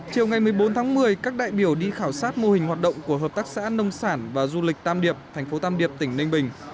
chiều ngày một mươi bốn tháng một mươi các đại biểu đi khảo sát mô hình hoạt động của hợp tác xã nông sản và du lịch tam điệp thành phố tam điệp tỉnh ninh bình